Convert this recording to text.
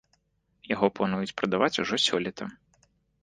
Яго плануюць прадаваць ужо сёлета.